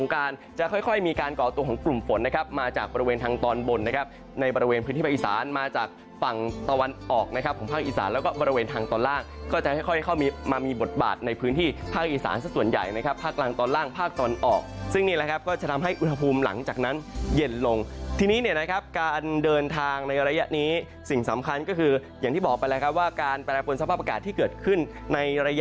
การจะค่อยมีการก่อตัวของกลุ่มฝนมาจากบริเวณทางตอนบนในบริเวณพื้นที่ภาคอีสานมาจากฝั่งตะวันออกของภาคอีสานแล้วก็บริเวณทางตอนล่างก็จะค่อยมามีบทบาทในพื้นที่ภาคอีสานส่วนใหญ่ภาคล่างตอนล่างภาคตอนออกซึ่งนี่ก็จะทำให้อุทธภูมิหลังจากนั้นเย็นลงทีนี้การเดินทางในระยะน